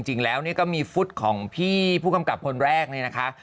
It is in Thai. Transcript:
จริงแล้วนี่ก็มีฟุตของพี่ผู้กำกับคนแรกเนี่ยนะคะ